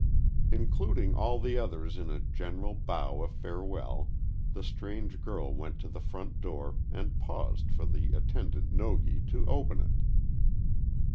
Including all the others in a general bow of farewell, the strange girl went to the front door, and paused for the attendant Nogi to open it.